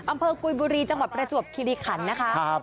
อำเภอกุยบุรีจังหวัดประจวบคิริขันนะคะครับ